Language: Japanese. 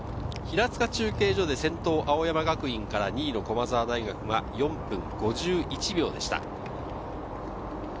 平塚中継所で先頭、青山学院から２位の駒澤大学が４分５１秒でした。